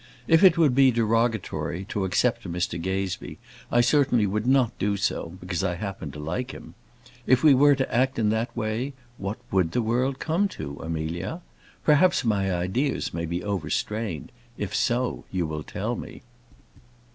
If it would be derogatory to accept Mr Gazebee, I certainly would not do so because I happen to like him. If we were to act in that way, what would the world come to, Amelia? Perhaps my ideas may be overstrained; if so, you will tell me.